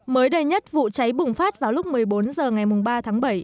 mới đầy nhất vụ cháy bùng phát vào lúc một mươi bốn h ngày ba tháng bảy